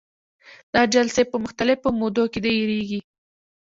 دا جلسې په مختلفو مودو کې دایریږي.